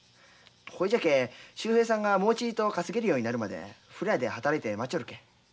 ほいじゃけえ秀平さんがもうちいと稼げるようになるまで風呂屋で働いて待っちょるけえ。